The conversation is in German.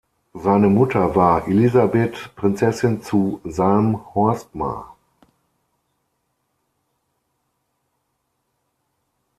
Seine Mutter war Elisabeth Prinzessin zu Salm-Horstmar.